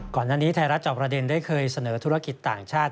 ก่อนหน้านี้ไทยรัฐจอบประเด็นได้เคยเสนอธุรกิจต่างชาติ